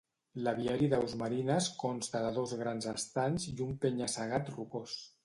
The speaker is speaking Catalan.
L'aviari d'aus marines consta de dos grans estanys i un penya-segat rocós.